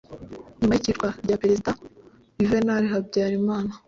nyuma y'iyicwa rya perezida yuvenali habyarimana,